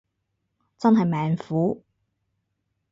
真係命苦